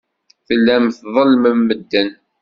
Tellam tḍellmem medden.